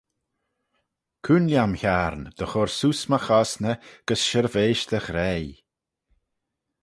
Cooin lhiam Hiarn dy chur seose my chosney gys shirveish dy ghraih.